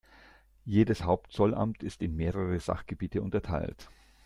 Jedes Hauptzollamt ist in mehrere Sachgebiete unterteilt.